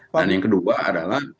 dan yang kedua adalah